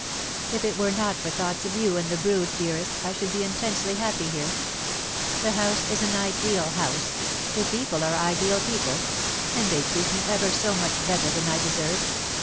If it were not for thoughts of you and the broody dearest, I should be intensely happy here ! The house is an ideal house — the people are ideal people ; and they treat me ever so much better than I deserve.